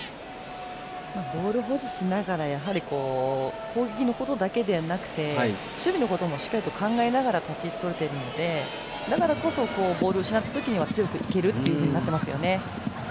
ボール保持しながらやはり攻撃のことだけではなくて守備のことも考えながら立ち位置をとれているのでだからこそボールを失った時には強くいけるというふうになっていますよね。